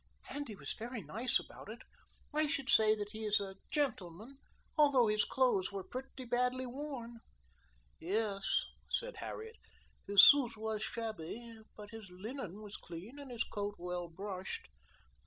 And he was very nice about it. I should say that he is a gentleman, although his clothes were pretty badly worn." "Yes," said Harriet, "his suit was shabby, but his linen was clean and his coat well brushed."